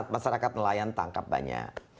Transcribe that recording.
masyarakat nelayan tangkap banyak